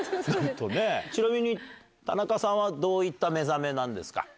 ちなみに田中さんは、どういった目覚めなんですか。